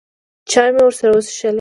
چای مې ورسره وڅښلې.